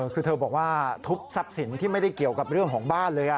คือเธอบอกว่าทุบทรัพย์สินที่ไม่ได้เกี่ยวกับเรื่องของบ้านเลย